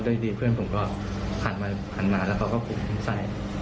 โดยดิเพื่อนผมก็ผ่านมาแล้วก็คุ้มใส่